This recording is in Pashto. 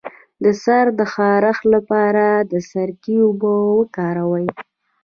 د سر د خارښ لپاره د سرکې اوبه وکاروئ